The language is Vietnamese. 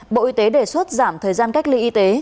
bộ y tế đề xuất giảm thời gian cách ly y tế